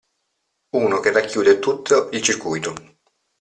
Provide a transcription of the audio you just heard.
Uno che racchiude tutto il circuito.